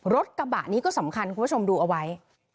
รถกระบะนี้ก็สำคัญคุณผู้ชมดูเอาไว้